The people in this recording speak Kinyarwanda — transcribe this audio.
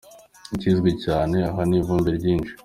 Ikizwi cyane aha ni ivumbi ryishi .